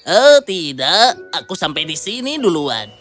oh tidak aku sampai di sini duluan